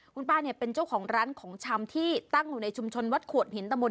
คุณป้าเนี่ยเป็นเจ้าของร้านของชำที่ตั้งอยู่ในชุมชนวัดขวดหินตะมน